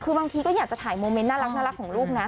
คือบางทีก็อยากจะถ่ายโมเมนต์น่ารักของลูกนะ